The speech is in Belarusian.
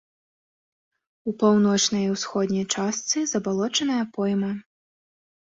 У паўночнай і ўсходняй частцы забалочаная пойма.